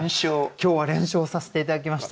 今日は連勝させて頂きました。